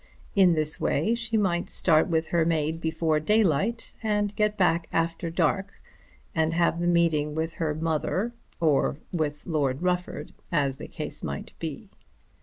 In this way she might start with her maid before daylight, and get back after dark, and have the meeting with her mother or with Lord Rufford as the case might be.